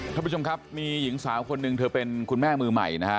ท่านผู้ชมครับมีหญิงสาวคนหนึ่งเธอเป็นคุณแม่มือใหม่นะฮะ